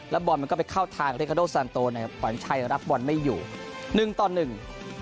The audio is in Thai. บอลมันก็ไปเข้าทางเรคาโดสันโตนะครับขวัญชัยรับบอลไม่อยู่หนึ่งต่อหนึ่ง